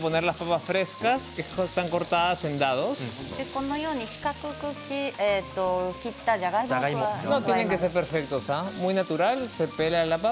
このように四角く切ったじゃがいもを入れます。